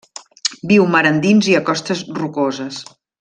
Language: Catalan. Viu mar endins i a costes rocoses.